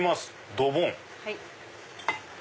ドボン！